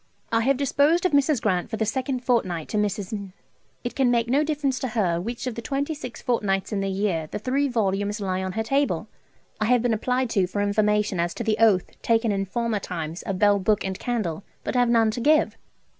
I have disposed of Mrs. Grant for the second fortnight to Mrs. . It can make no difference to her which of the twenty six fortnights in the year the 3 vols. lie on her table. I have been applied to for information as to the oath taken in former times of Bell, Book, and Candle, but have none to give.